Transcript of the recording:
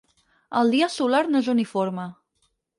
El dia solar no és uniforme.